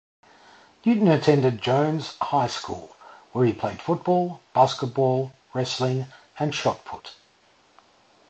Newton attended Jones High School where he played football, basketball, wrestling and shot put.